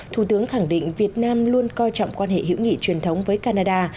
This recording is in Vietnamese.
thủ tướng khẳng định việt nam luôn coi trọng quan hệ hữu nghị truyền thống với canada